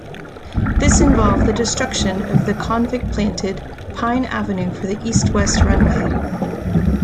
This involved the destruction of the convict-planted Pine Avenue for the east-west runway.